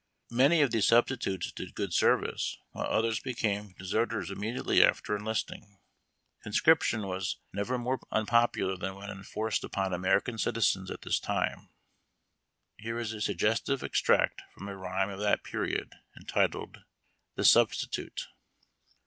Many of these substitutes did good service, while others became de serters immediately after enlisting. Conscription was never DRAFTED. 216 IIAIW TACK AND COFFEE. more unpopular than wlien enforced upon American citizens at this time. Here is a suggestive extract from a rhyme of that period, entitled THE SUBSTITUTE.